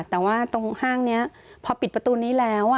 แต่ว่าตรงห้างนี้พอปิดประตูนี้แล้ว